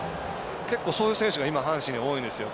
結構、そういう選手が阪神には多いんですよ。